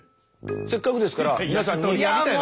せっかくですから皆さんに。